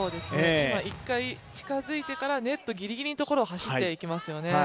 １回、近づいてから、ネットぎりぎりのところを走っていきますよね。